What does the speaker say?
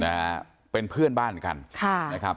นะฮะเป็นเพื่อนบ้านกันค่ะนะครับ